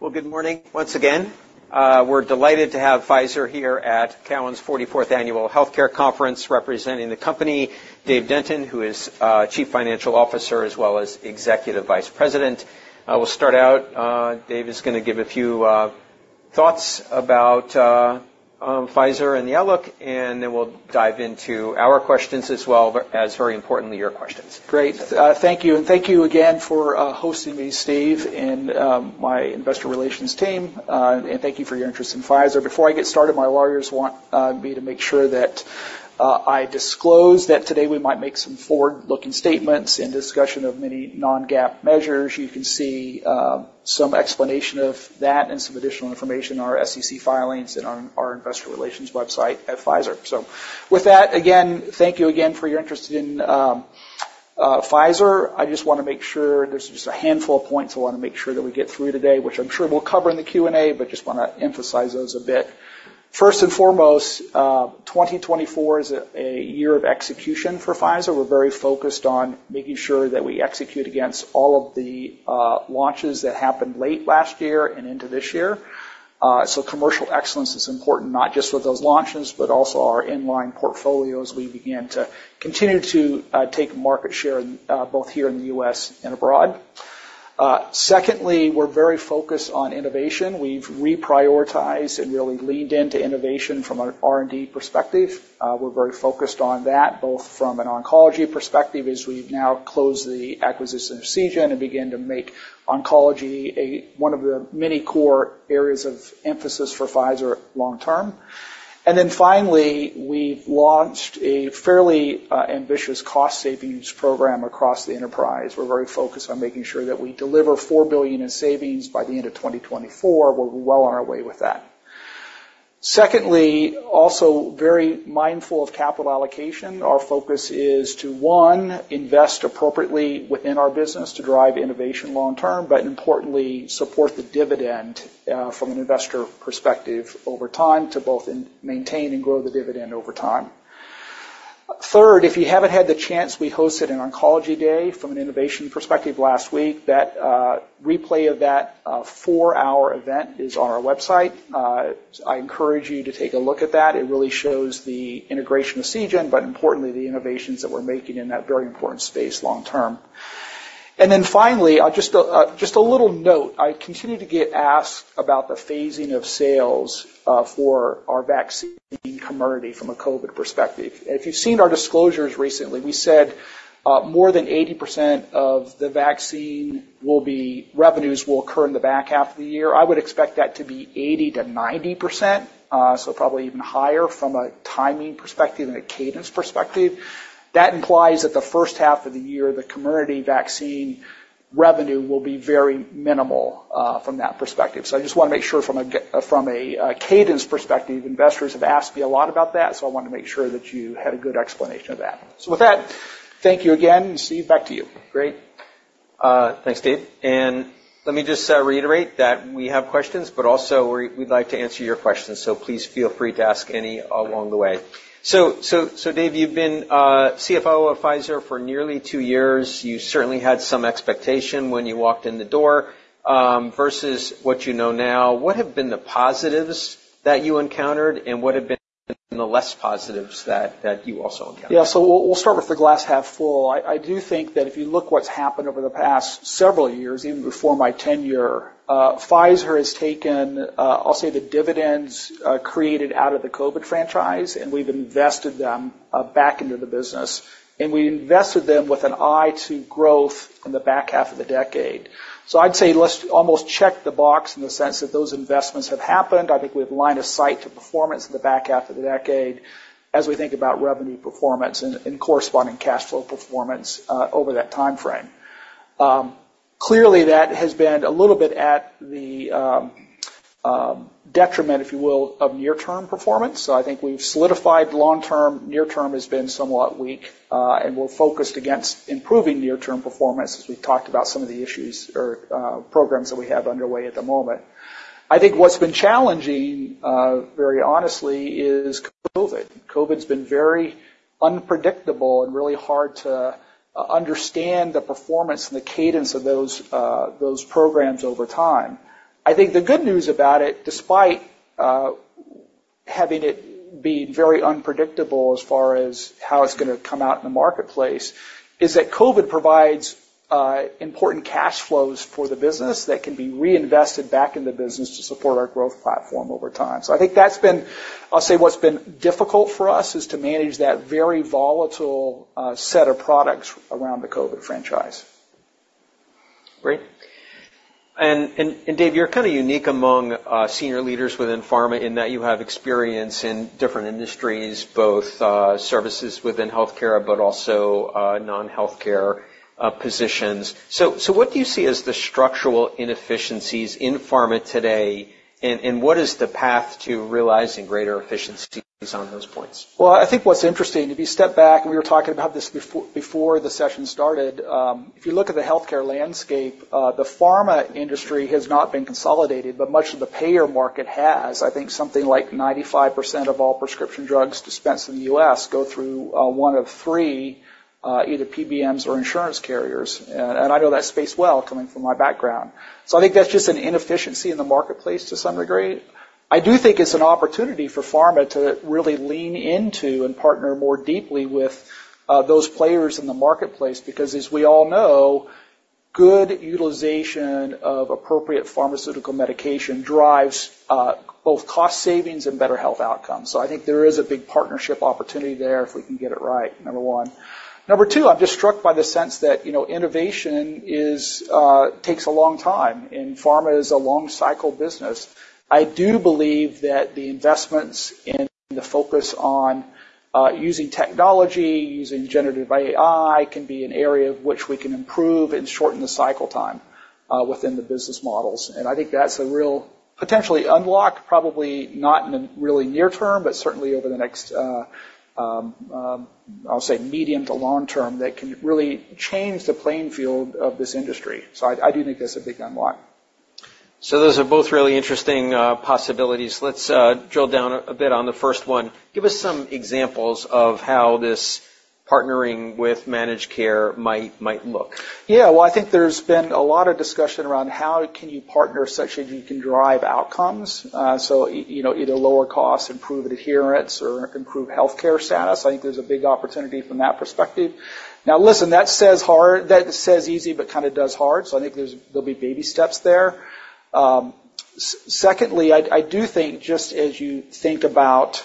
Well, good morning once again. We're delighted to have Pfizer here at Cowen's 44th Annual Healthcare Conference representing the company, Dave Denton, who is Chief Financial Officer as well as Executive Vice President. We'll start out. Dave is going to give a few thoughts about Pfizer and the outlook, and then we'll dive into our questions as well as, very importantly, your questions. Great. Thank you. And thank you again for hosting me, Steve, and my investor relations team. And thank you for your interest in Pfizer. Before I get started, my lawyers want me to make sure that I disclose that today we might make some forward-looking statements in discussion of many non-GAAP measures. You can see some explanation of that and some additional information in our SEC filings and on our investor relations website at Pfizer. So with that, again, thank you again for your interest in Pfizer. I just want to make sure there's just a handful of points I want to make sure that we get through today, which I'm sure we'll cover in the Q&A, but just want to emphasize those a bit. First and foremost, 2024 is a year of execution for Pfizer. We're very focused on making sure that we execute against all of the launches that happened late last year and into this year. So commercial excellence is important, not just with those launches but also our inline portfolio as we begin to continue to take market share both here in the U.S. and abroad. Secondly, we're very focused on innovation. We've reprioritized and really leaned into innovation from an R&D perspective. We're very focused on that both from an oncology perspective as we've now closed the acquisition and Seagen and begin to make oncology one of the many core areas of emphasis for Pfizer long term. And then finally, we've launched a fairly ambitious cost-savings program across the enterprise. We're very focused on making sure that we deliver $4 billion in savings by the end of 2024, where we're well on our way with that. Secondly, also very mindful of capital allocation, our focus is to, one, invest appropriately within our business to drive innovation long term, but importantly, support the dividend from an investor perspective over time to both maintain and grow the dividend over time. Third, if you haven't had the chance, we hosted an Oncology Day from an innovation perspective last week. That replay of that four-hour event is on our website. I encourage you to take a look at that. It really shows the integration of Seagen and, but importantly, the innovations that we're making in that very important space long term. And then finally, just a little note. I continue to get asked about the phasing of sales for our vaccine Comirnaty from a COVID perspective. If you've seen our disclosures recently, we said more than 80% of the vaccine revenues will occur in the back half of the year. I would expect that to be 80%-90%, so probably even higher from a timing perspective and a cadence perspective. That implies that the first half of the year, the Comirnaty vaccine revenue will be very minimal from that perspective. So I just want to make sure from a cadence perspective, investors have asked me a lot about that, so I want to make sure that you had a good explanation of that. So with that, thank you again. Steve, back to you. Great. Thanks, Dave. And let me just reiterate that we have questions, but also we'd like to answer your questions, so please feel free to ask any along the way. So Dave, you've been CFO of Pfizer for nearly two years. You certainly had some expectation when you walked in the door versus what you know now. What have been the positives that you encountered, and what have been the less positives that you also encountered? Yeah. So we'll start with the glass half full. I do think that if you look at what's happened over the past several years, even before my tenure, Pfizer has taken, I'll say, the dividends created out of the COVID franchise, and we've invested them back into the business. And we invested them with an eye to growth in the back half of the decade. So I'd say let's almost check the box in the sense that those investments have happened. I think we've line of sight to performance in the back half of the decade as we think about revenue performance and corresponding cash flow performance over that timeframe. Clearly, that has been a little bit at the detriment, if you will, of near-term performance. So I think we've solidified long-term. Near-term has been somewhat weak, and we're focused against improving near-term performance as we've talked about some of the issues or programs that we have underway at the moment. I think what's been challenging, very honestly, is COVID. COVID's been very unpredictable and really hard to understand the performance and the cadence of those programs over time. I think the good news about it, despite having it been very unpredictable as far as how it's going to come out in the marketplace, is that COVID provides important cash flows for the business that can be reinvested back in the business to support our growth platform over time. So I think that's been, I'll say, what's been difficult for us is to manage that very volatile set of products around the COVID franchise. Great. Dave, you're kind of unique among senior leaders within pharma in that you have experience in different industries, both services within healthcare but also non-healthcare positions. What do you see as the structural inefficiencies in pharma today, and what is the path to realizing greater efficiencies on those points? Well, I think what's interesting, if you step back, and we were talking about this before the session started, if you look at the healthcare landscape, the pharma industry has not been consolidated, but much of the payer market has. I think something like 95% of all prescription drugs dispensed in the U.S. go through one of three either PBMs or insurance carriers. And I know that space well coming from my background. So I think that's just an inefficiency in the marketplace to some degree. I do think it's an opportunity for pharma to really lean into and partner more deeply with those players in the marketplace because, as we all know, good utilization of appropriate pharmaceutical medication drives both cost savings and better health outcomes. So I think there is a big partnership opportunity there if we can get it right, number one. Number two, I'm just struck by the sense that innovation takes a long time, and pharma is a long-cycle business. I do believe that the investments in the focus on using technology, using generative AI, can be an area of which we can improve and shorten the cycle time within the business models. I think that's a real potentially unlock, probably not in the really near term, but certainly over the next, I'll say, medium to long term, that can really change the playing field of this industry. I do think that's a big unlock. So those are both really interesting possibilities. Let's drill down a bit on the first one. Give us some examples of how this partnering with managed care might look. Yeah. Well, I think there's been a lot of discussion around how can you partner such that you can drive outcomes, so either lower costs, improve adherence, or improve healthcare status. I think there's a big opportunity from that perspective. Now, listen, that says easy but kind of does hard. So I think there'll be baby steps there. Secondly, I do think just as you think about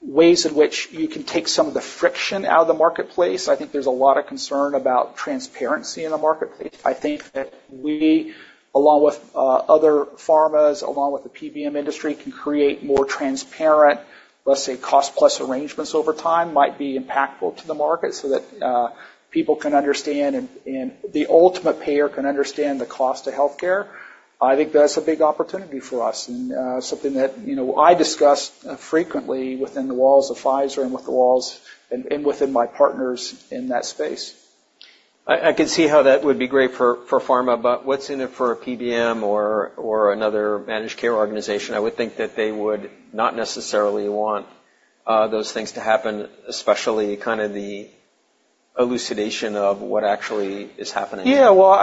ways in which you can take some of the friction out of the marketplace, I think there's a lot of concern about transparency in the marketplace. I think that we, along with other pharmas, along with the PBM industry, can create more transparent, let's say, cost-plus arrangements over time, might be impactful to the market so that people can understand and the ultimate payer can understand the cost of healthcare. I think that's a big opportunity for us and something that I discuss frequently within the walls of Pfizer and within my partners in that space. I can see how that would be great for pharma, but what's in it for a PBM or another managed care organization? I would think that they would not necessarily want those things to happen, especially kind of the elucidation of what actually is happening. Yeah. Well,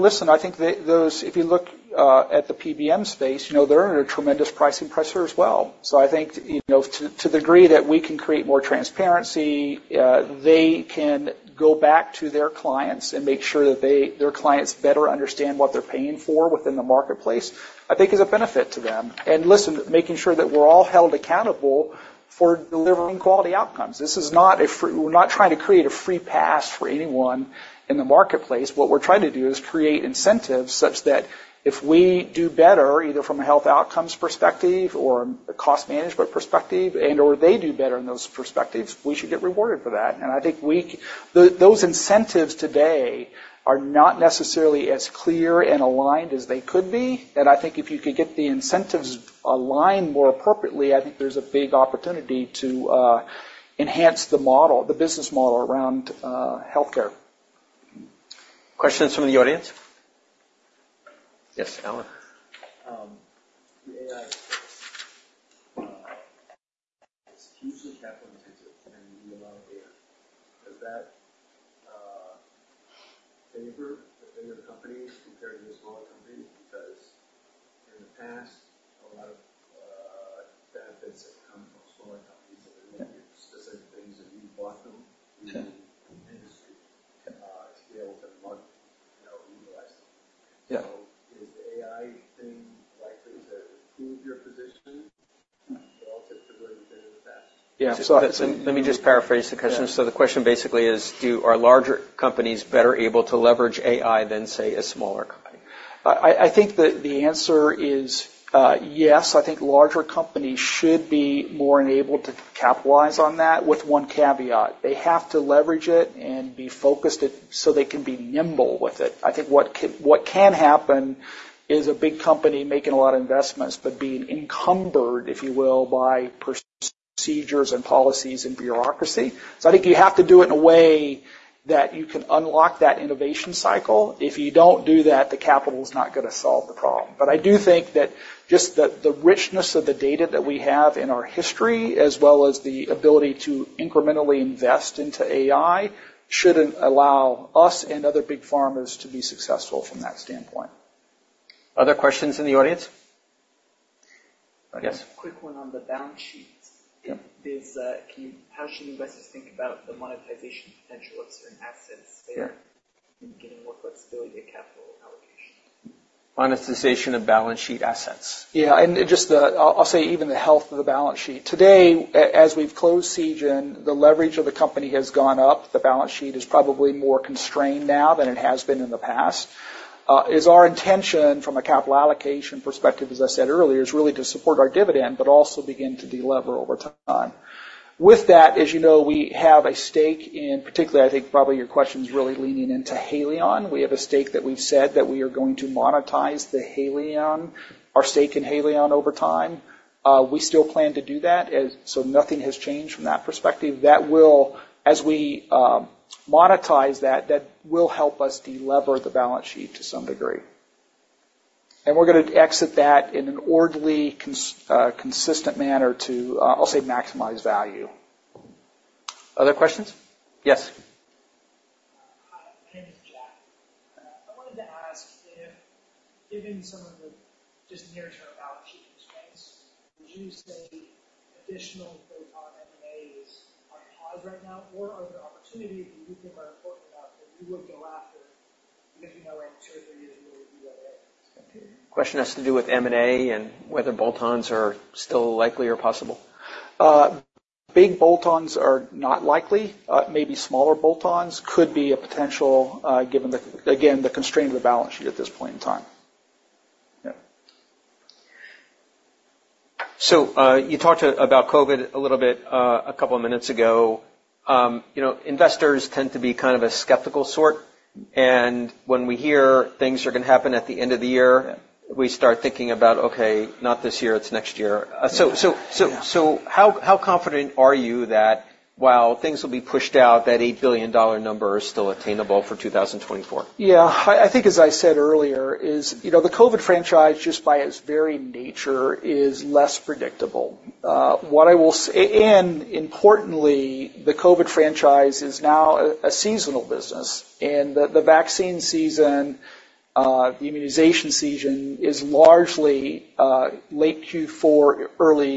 listen, I think that if you look at the PBM space, they're under tremendous pricing pressure as well. So I think to the degree that we can create more transparency, they can go back to their clients and make sure that their clients better understand what they're paying for within the marketplace, I think, is a benefit to them. And listen, making sure that we're all held accountable for delivering quality outcomes. We're not trying to create a free pass for anyone in the marketplace. What we're trying to do is create incentives such that if we do better, either from a health outcomes perspective or a cost management perspective, and/or they do better in those perspectives, we should get rewarded for that. And I think those incentives today are not necessarily as clear and aligned as they could be. I think if you could get the incentives aligned more appropriately, I think there's a big opportunity to enhance the business model around healthcare. Questions from the audience? Yes, Alan. The AI is hugely capital-intensive in the amount of data. Does that favor the bigger companies compared to the smaller companies? Because in the past, a lot of benefits have come from smaller companies that are making specific things, and you bought them through the industry to be able to utilize them. So is the AI thing likely to improve your position relative to where you've been in the past? Yeah. Let me just paraphrase the question. The question basically is, are larger companies better able to leverage AI than, say, a smaller company? I think the answer is yes. I think larger companies should be more enabled to capitalize on that with one caveat. They have to leverage it and be focused so they can be nimble with it. I think what can happen is a big company making a lot of investments but being encumbered, if you will, by procedures and policies and bureaucracy. So I think you have to do it in a way that you can unlock that innovation cycle. If you don't do that, the capital is not going to solve the problem. But I do think that just the richness of the data that we have in our history as well as the ability to incrementally invest into AI should allow us and other big pharmas to be successful from that standpoint. Other questions in the audience? Yes. Quick one on the balance sheet. How should investors think about the monetization potential of certain assets in getting more flexibility to capital allocation? Monetization of balance sheet assets. Yeah. And I'll say even the health of the balance sheet. Today, as we've closed Seagen, the leverage of the company has gone up. The balance sheet is probably more constrained now than it has been in the past. Our intention from a capital allocation perspective, as I said earlier, is really to support our dividend but also begin to delever over time. With that, as you know, we have a stake in particularly, I think probably your question's really leaning into Haleon. We have a stake that we've said that we are going to monetize our stake in Haleon over time. We still plan to do that, so nothing has changed from that perspective. As we monetize that, that will help us delever the balance sheet to some degree. And we're going to exit that in an orderly, consistent manner to, I'll say, maximize value. Other questions? Yes. Hi. My name is Jack. I wanted to ask if, given some of the just near-term balance sheet constraints, would you say additional bolt-on M&As are paused right now, or are there opportunities that you think are important enough that you would go after because you know in two or three years, you'll review what it is? Question has to do with M&A and whether boltons are still likely or possible. Big bolt-ons are not likely. Maybe smaller bolt-ons could be a potential, given, again, the constraint of the balance sheet at this point in time. Yeah. So you talked about COVID a little bit a couple of minutes ago. Investors tend to be kind of a skeptical sort. And when we hear things are going to happen at the end of the year, we start thinking about, "Okay, not this year. It's next year." So how confident are you that while things will be pushed out, that $8 billion number is still attainable for 2024? Yeah. I think, as I said earlier, the COVID franchise, just by its very nature, is less predictable. And importantly, the COVID franchise is now a seasonal business. And the vaccine season, the immunization season is largely late Q3, early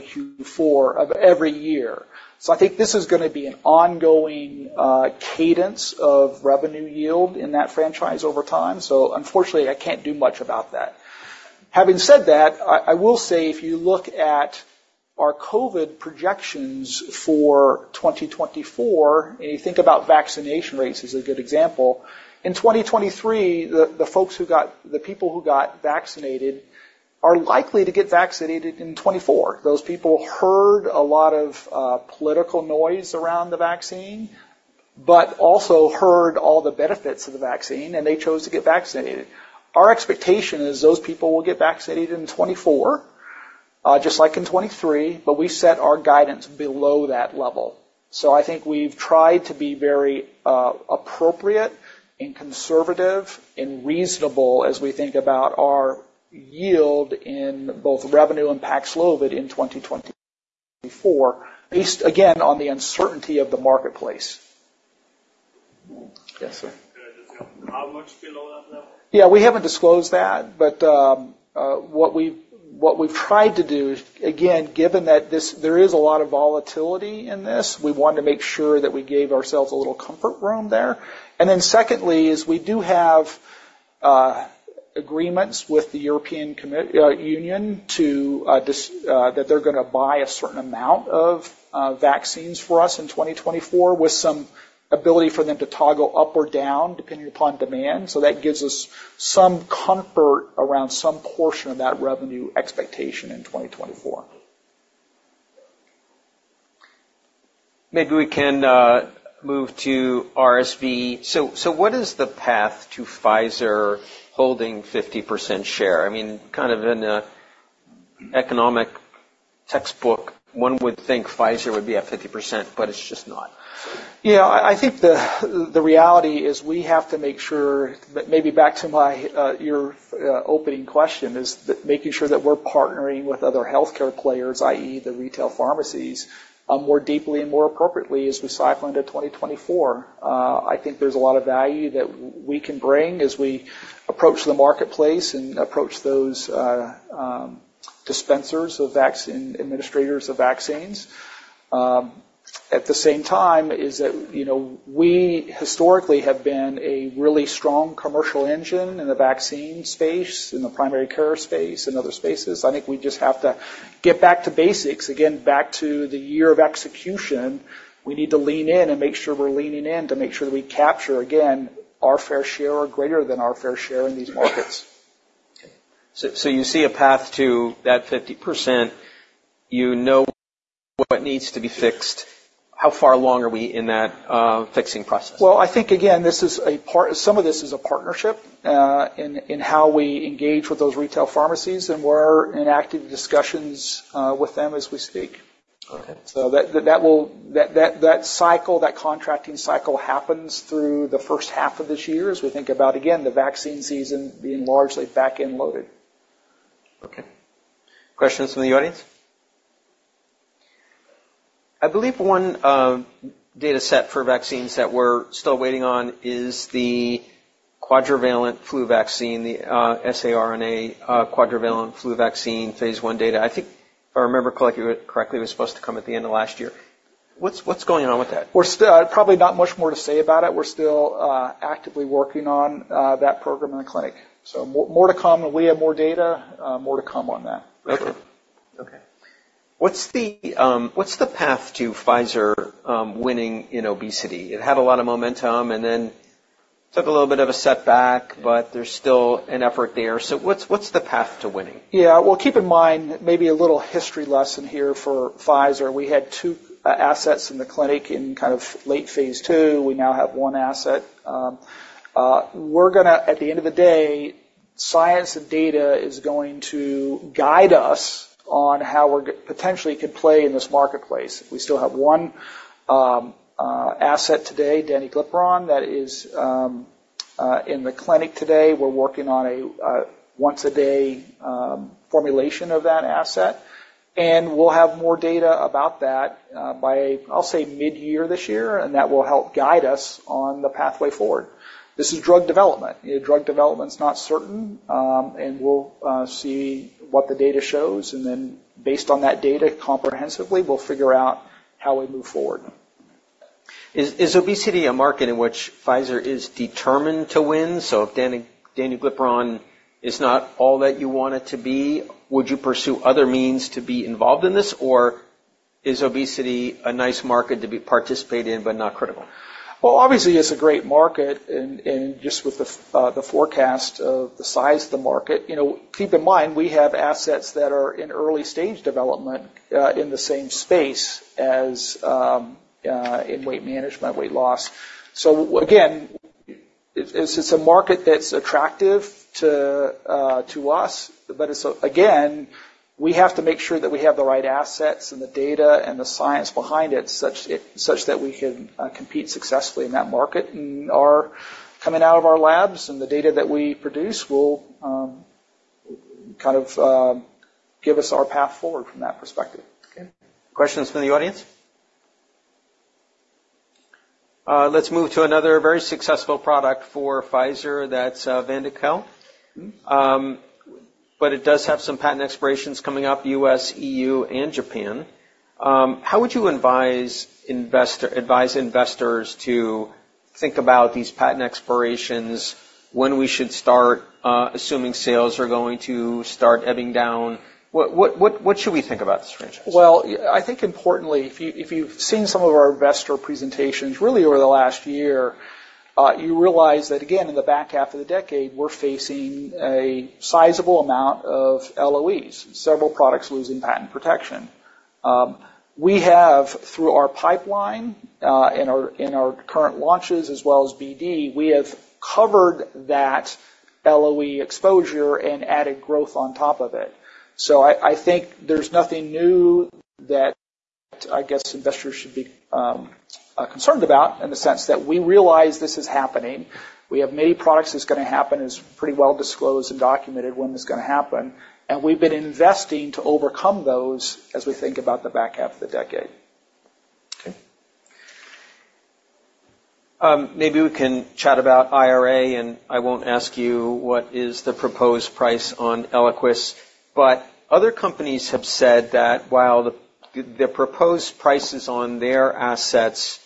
Q4 of every year. So I think this is going to be an ongoing cadence of revenue yield in that franchise over time. So unfortunately, I can't do much about that. Having said that, I will say if you look at our COVID projections for 2024, and you think about vaccination rates as a good example, in 2023, the people who got vaccinated are likely to get vaccinated in 2024. Those people heard a lot of political noise around the vaccine but also heard all the benefits of the vaccine, and they chose to get vaccinated. Our expectation is those people will get vaccinated in 2024 just like in 2023, but we set our guidance below that level. So I think we've tried to be very appropriate and conservative and reasonable as we think about our yield in both revenue and PAXLOVID in 2024, based, again, on the uncertainty of the marketplace. Yes, sir. Can I just know, how much below that level? Yeah. We haven't disclosed that, but what we've tried to do is, again, given that there is a lot of volatility in this, we wanted to make sure that we gave ourselves a little comfort room there. And then secondly is we do have agreements with the European Union that they're going to buy a certain amount of vaccines for us in 2024 with some ability for them to toggle up or down depending upon demand. So that gives us some comfort around some portion of that revenue expectation in 2024. Maybe we can move to RSV. So what is the path to Pfizer holding 50% share? I mean, kind of in an economic textbook, one would think Pfizer would be at 50%, but it's just not. Yeah. I think the reality is we have to make sure, maybe back to your opening question, is making sure that we're partnering with other healthcare players, i.e., the retail pharmacies, more deeply and more appropriately as we cycle into 2024. I think there's a lot of value that we can bring as we approach the marketplace and approach those dispensers of vaccine, administrators of vaccines. At the same time, is that we historically have been a really strong commercial engine in the vaccine space, in the primary care space, in other spaces. I think we just have to get back to basics. Again, back to the year of execution, we need to lean in and make sure we're leaning in to make sure that we capture, again, our fair share or greater than our fair share in these markets. Okay. So you see a path to that 50%. You know what needs to be fixed. How far along are we in that fixing process? Well, I think, again, some of this is a partnership in how we engage with those retail pharmacies, and we're in active discussions with them as we speak. So that cycle, that contracting cycle happens through the first half of this year as we think about, again, the vaccine season being largely back inloaded. Okay. Questions from the audience? I believe one dataset for vaccines that we're still waiting on is the quadrivalent flu vaccine, the saRNA quadrivalent flu vaccine phase I data. I think, if I remember correctly, it was supposed to come at the end of last year. What's going on with that? Probably not much more to say about it. We're still actively working on that program in the clinic. So more to come. When we have more data, more to come on that. Okay. Okay. What's the path to Pfizer winning in obesity? It had a lot of momentum and then took a little bit of a setback, but there's still an effort there. So what's the path to winning? Yeah. Well, keep in mind maybe a little history lesson here for Pfizer. We had two assets in the clinic in kind of late phase II. We now have one asset. At the end of the day, science and data is going to guide us on how we potentially can play in this marketplace. We still have one asset today, danuglipron, that is in the clinic today. We're working on a once-a-day formulation of that asset. And we'll have more data about that by, I'll say, mid-year this year, and that will help guide us on the pathway forward. This is drug development. Drug development's not certain, and we'll see what the data shows. And then based on that data comprehensively, we'll figure out how we move forward. Is obesity a market in which Pfizer is determined to win? So if danuglipron is not all that you want it to be, would you pursue other means to be involved in this, or is obesity a nice market to participate in but not critical? Well, obviously, it's a great market. And just with the forecast of the size of the market, keep in mind we have assets that are in early-stage development in the same space as in weight management, weight loss. So again, it's a market that's attractive to us. But again, we have to make sure that we have the right assets and the data and the science behind it such that we can compete successfully in that market. And coming out of our labs and the data that we produce will kind of give us our path forward from that perspective. Okay. Questions from the audience? Let's move to another very successful product for Pfizer that's Vyndaqel. But it does have some patent expirations coming up, U.S., EU, and Japan. How would you advise investors to think about these patent expirations, when we should start assuming sales are going to start ebbing down? What should we think about this franchise? Well, I think importantly, if you've seen some of our investor presentations really over the last year, you realize that, again, in the back half of the decade, we're facing a sizable amount of LOEs, several products losing patent protection. We have, through our pipeline in our current launches as well as BD, we have covered that LOE exposure and added growth on top of it. So I think there's nothing new that, I guess, investors should be concerned about in the sense that we realize this is happening. We have many products that's going to happen. It's pretty well disclosed and documented when it's going to happen. And we've been investing to overcome those as we think about the back half of the decade. Okay. Maybe we can chat about IRA, and I won't ask you what is the proposed price on Eliquis. But other companies have said that while the proposed prices on their assets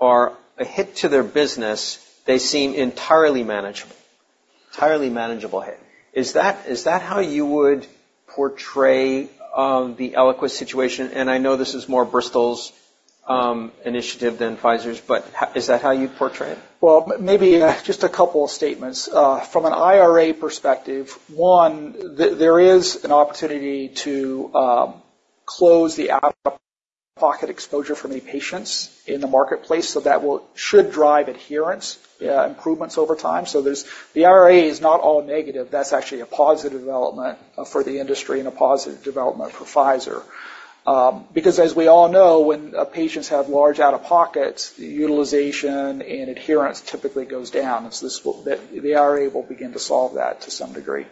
are a hit to their business, they seem entirely manageable. Entirely manageable hit. Is that how you would portray the Eliquis situation? And I know this is more Bristol's initiative than Pfizer's, but is that how you'd portray it? Well, maybe just a couple of statements. From an IRA perspective, one, there is an opportunity to close the out-of-pocket exposure for many patients in the marketplace. So that should drive adherence improvements over time. So the IRA is not all negative. That's actually a positive development for the industry and a positive development for Pfizer. Because as we all know, when patients have large out-of-pockets, utilization and adherence typically goes down. So the IRA will begin to solve that to some degree.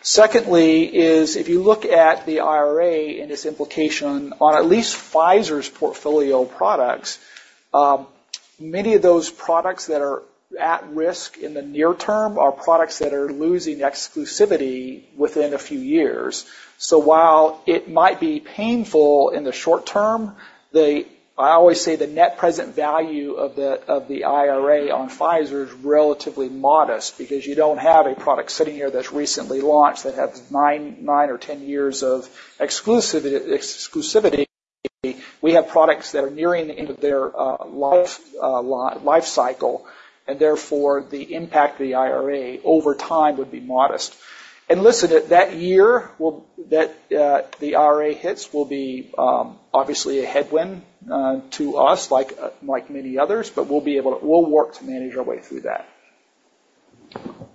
Secondly is if you look at the IRA and its implication on at least Pfizer's portfolio products, many of those products that are at risk in the near term are products that are losing exclusivity within a few years. So while it might be painful in the short term, I always say the net present value of the IRA on Pfizer is relatively modest because you don't have a product sitting here that's recently launched that has nine or 10 years of exclusivity. We have products that are nearing the end of their life cycle, and therefore, the impact of the IRA over time would be modest. And listen, that year that the IRA hits will be obviously a headwind to us like many others, but we'll be able to work to manage our way through that.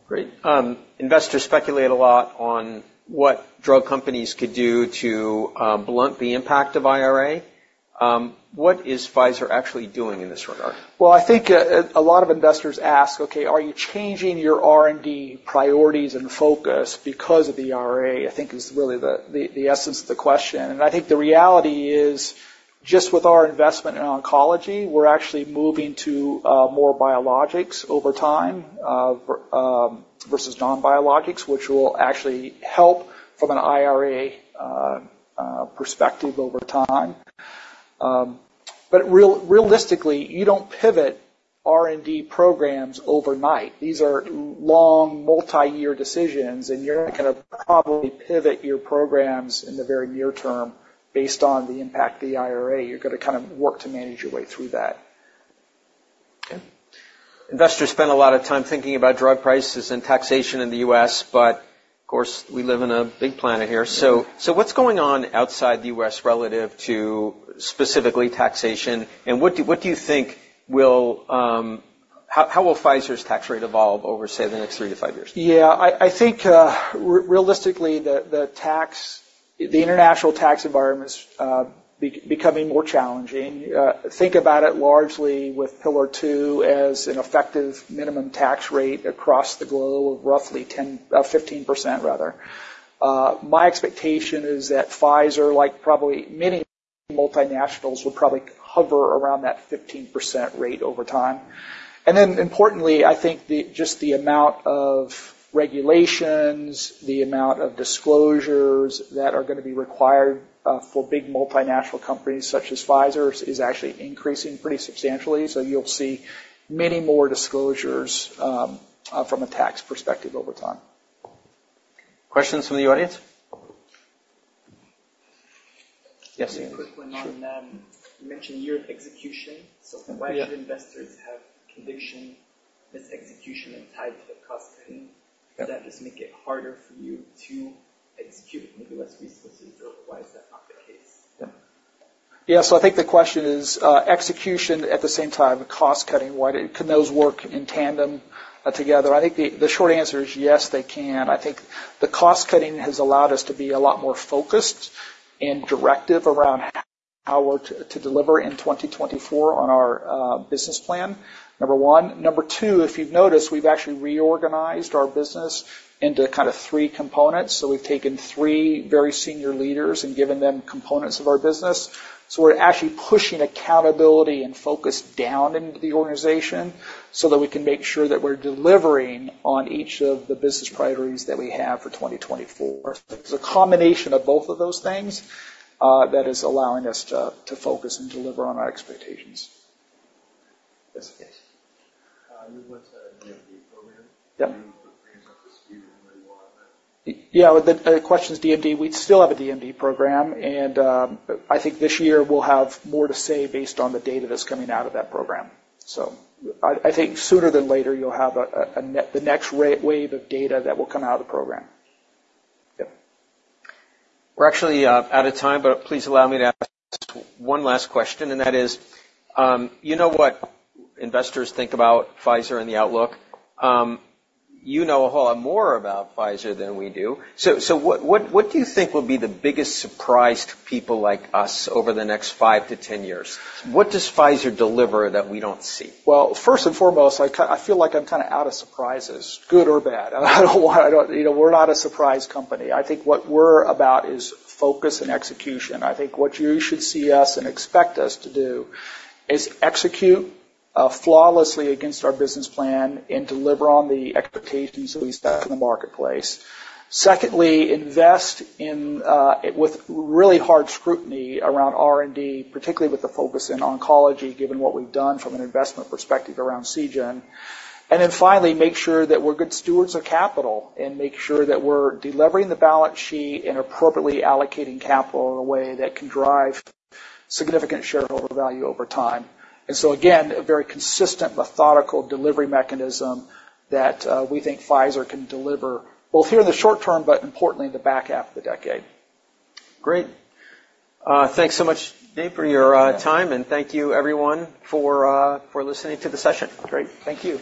Great. Investors speculate a lot on what drug companies could do to blunt the impact of IRA. What is Pfizer actually doing in this regard? Well, I think a lot of investors ask, "Okay, are you changing your R&D priorities and focus because of the IRA?" I think is really the essence of the question. And I think the reality is just with our investment in oncology, we're actually moving to more biologics over time versus non-biologics, which will actually help from an IRA perspective over time. But realistically, you don't pivot R&D programs overnight. These are long, multi-year decisions, and you're not going to probably pivot your programs in the very near term based on the impact of the IRA. You're going to kind of work to manage your way through that. Okay. Investors spend a lot of time thinking about drug prices and taxation in the U.S., but of course, we live in a big planet here. So what's going on outside the U.S. relative to specifically taxation? And what do you think how will Pfizer's tax rate evolve over, say, the next three to five years? Yeah. I think realistically, the international tax environment's becoming more challenging. Think about it largely with Pillar Two as an effective minimum tax rate across the globe of roughly 10%-15%, rather. My expectation is that Pfizer, like probably many multinationals, would probably hover around that 15% rate over time. And then importantly, I think just the amount of regulations, the amount of disclosures that are going to be required for big multinational companies such as Pfizer's is actually increasing pretty substantially. So you'll see many more disclosures from a tax perspective over time. Questions from the audience? Yes, Aamir. Quick one on that. You mentioned year of execution. So why should investors have conviction this execution and tied to the cost cutting? Does that just make it harder for you to execute with maybe less resources, or why is that not the case? Yeah. So I think the question is execution at the same time, cost cutting. Can those work in tandem together? I think the short answer is yes, they can. I think the cost cutting has allowed us to be a lot more focused and directive around how to deliver in 2024 on our business plan, number one. Number two, if you've noticed, we've actually reorganized our business into kind of three components. So we've taken three very senior leaders and given them components of our business. So we're actually pushing accountability and focus down into the organization so that we can make sure that we're delivering on each of the business priorities that we have for 2024. So it's a combination of both of those things that is allowing us to focus and deliver on our expectations. Yes. Yes. You went to DMD program. Do you bring it up to speed on what you want on that? Yeah. Questions, DMD? We still have a DMD program, and I think this year we'll have more to say based on the data that's coming out of that program. So I think sooner than later, you'll have the next wave of data that will come out of the program. Yep. We're actually out of time, but please allow me to ask one last question, and that is, you know what investors think about Pfizer and the outlook? You know a whole lot more about Pfizer than we do. So what do you think will be the biggest surprise to people like us over the next 5-10 years? What does Pfizer deliver that we don't see? Well, first and foremost, I feel like I'm kind of out of surprises, good or bad. I don't want to. We're not a surprise company. I think what we're about is focus and execution. I think what you should see us and expect us to do is execute flawlessly against our business plan and deliver on the expectations that we set in the marketplace. Secondly, invest with really hard scrutiny around R&D, particularly with the focus in oncology given what we've done from an investment perspective around Seagen. And then finally, make sure that we're good stewards of capital and make sure that we're delivering the balance sheet and appropriately allocating capital in a way that can drive significant shareholder value over time. And so again, a very consistent, methodical delivery mechanism that we think Pfizer can deliver both here in the short term but importantly in the back half of the decade. Great. Thanks so much, Dave, for your time. Thank you, everyone, for listening to the session. Great. Thank you.